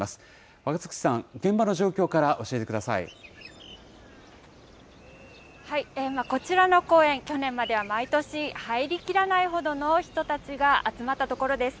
若槻さん、現場の状況から教えてこちらの公園、去年までは毎年、入りきらないほどの人たちが集まった所です。